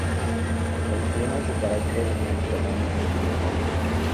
El clima es de carácter Mediterráneo continental.